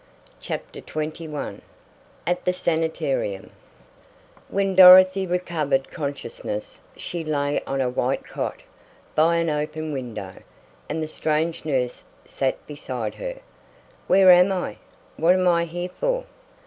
CHAPTER XXI AT THE SANITARIUM When Dorothy recovered consciousness she lay on a white cot, by an open window, and the strange nurse sat beside her. "Where am I? What am I here for?"